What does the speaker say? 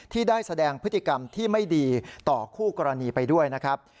ที่ได้แสดงพฤติกรรมที่ไม่ดีต่อคู่กรณีไปด้วยนะครับ